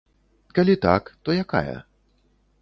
Калі так, то якая?